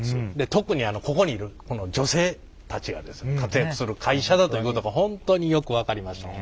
特にここにいる女性たちが活躍する会社だということが本当によく分かりました。